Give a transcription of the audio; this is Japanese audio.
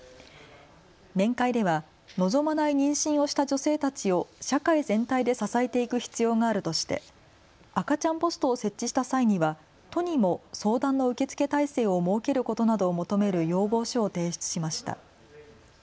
面会では望まない妊娠をした女性たちを社会全体で支えていく必要があるとして赤ちゃんポストを設置した際には都にも相談の受け付け体制を設けることなどを求める要望書を提出しました。